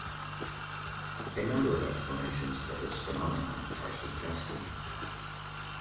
A number of explanations for this phenomenon are suggested.